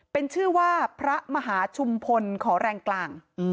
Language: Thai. เป็นชื่อว่าพระมหาชุมพลขอแรงกลาง